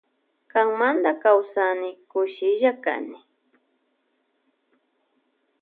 Kanmanta kawsani kushilla kani.